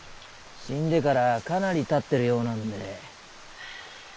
死んでからかなりたってるようなんで。